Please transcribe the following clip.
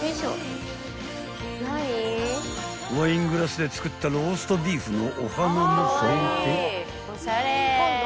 ［ワイングラスで作ったローストビーフのお花も添えて］